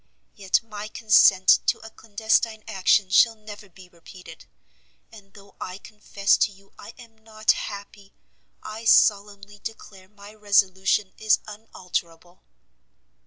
Yet my consent to a clandestine action shall never be repeated; and though I confess to you I am not happy, I solemnly declare my resolution is unalterable.